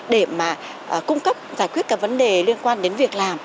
để mà cung cấp giải quyết các vấn đề liên quan đến việc làm